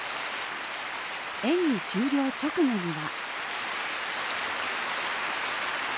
演技終了直後には。